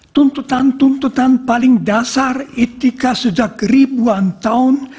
tuntutan tuntutan paling dasar etika sejak ribuan tahun